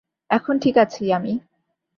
এখন ঠিক আছি আমি।